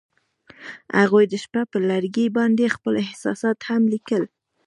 هغوی د شپه پر لرګي باندې خپل احساسات هم لیکل.